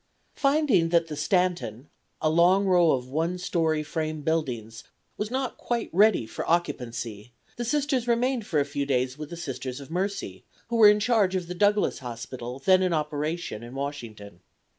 Finding that the Stanton, a long row of one story frame buildings, was not quite ready for occupancy, the Sisters remained for a few days with the Sisters of Mercy, who were in charge of the Douglas Hospital then in operation in Washington.